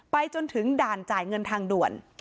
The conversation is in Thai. จนถึงด่านจ่ายเงินทางด่วน